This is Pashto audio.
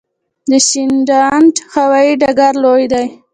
د شینډنډ هوايي ډګر لوی دی